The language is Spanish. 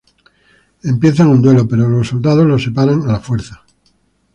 Empiezan un duelo, pero los soldados los separan a la fuerza.